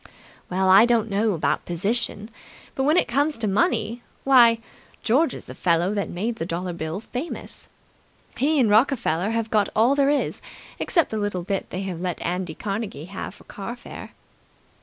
"Well, I don't know about position, but when it comes to money why, George is the fellow that made the dollar bill famous. He and Rockefeller have got all there is, except the little bit they have let Andy Carnegie have for car fare."